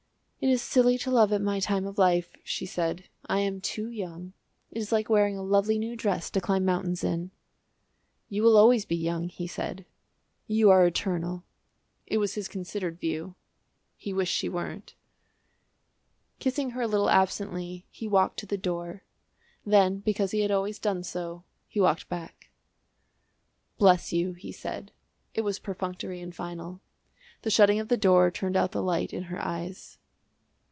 "It is silly to love at my time of life," she said; "I am too young. It is like wearing a lovely new dress to climb mountains in." "You will always be young," he said; "you are eternal." It was his considered view; he wished she weren't. Kissing her a little absently he walked to the door; then because he had always done so, he walked back. "Bless you," he said. It was perfunctory and final. The shutting of the door turned out the light in her eyes.